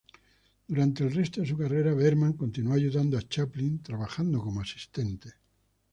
Durante el resto de su carrera, Bergman continuó ayudando a Chaplin, trabajando como asistente.